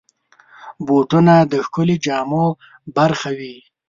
بوټونه د ښکلې جامې برخه وي.